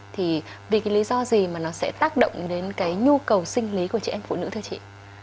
thì vì cái lý do gì mà nó sẽ tác động đến cái nhu cầu sinh lý của chị em phụ nữ thưa chị